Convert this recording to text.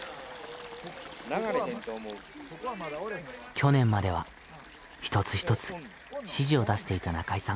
去年までは一つ一つ指示を出していた中井さん。